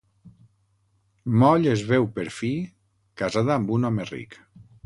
Moll es veu per fi casada amb un home ric.